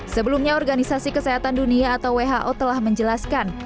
sebelumnya organisasi kesehatan dunia atau who telah menjelaskan